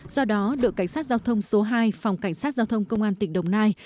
do đó đội cảnh sát giao thông số hai phòng cảnh sát giao thông công an tỉnh đồng nai